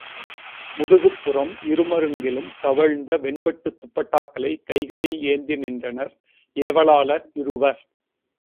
முதுகுப்புறம் இரு மருங்கிலும் தவழ்ந்த வெண்பட்டுத் துப்பட்டாக்களை கைகளில் ஏந்தி நின்றனர் ஏவலாளர் இருவர்.